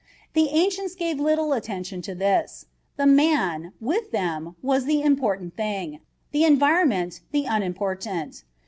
The ancients gave little attention to this; the man, with them, was the important thing; the environment the unimportant.